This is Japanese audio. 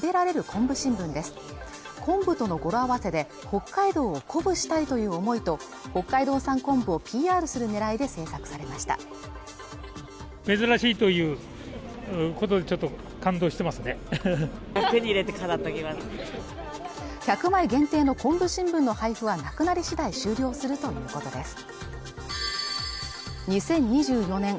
昆布との語呂合わせで北海道を鼓舞したいという思いと北海道産昆布をＰＲする狙いで制作されました１００枚限定の昆布新聞の配布はなくなり次第終了するということです